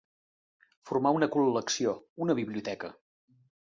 Formar una col·lecció, una biblioteca.